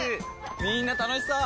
みんな楽しそう！